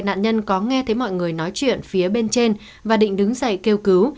nạn nhân có nghe thấy mọi người nói chuyện phía bên trên và định đứng dậy kêu cứu